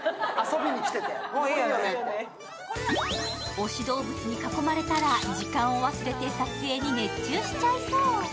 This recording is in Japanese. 推しどうぶつに囲まれたら時間を忘れて撮影に熱中しちゃいそう。